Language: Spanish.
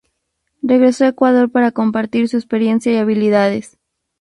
Regresó a Ecuador para compartir su experiencia y habilidades.